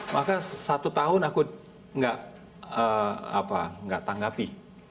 maka satu tahun aku nggak tanggapi